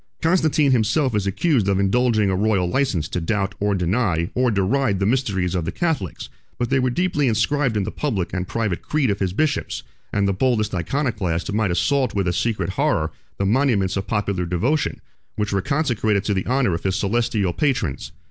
Constantine himself is accused of indulging a royal license to doubt, or deny, or deride the mysteries of the Catholics, 20 but they were deeply inscribed in the public and private creed of his bishops; and the boldest Iconoclast might assault with a secret horror the monuments of popular devotion, which were consecrated to the honor of his celestial patrons.